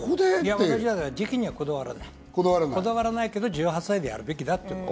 時期にはこだわらない、こだわらないけど１８歳でやるべきだと思う。